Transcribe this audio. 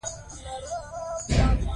کال ښه باراني و.